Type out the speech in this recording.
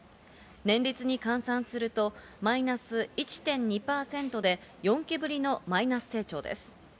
年率に換算するとマイナス１．２％で４期ぶりのマイナス成長です。